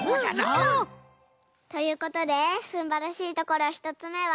うんうん！ということですんばらしいところ１つめは。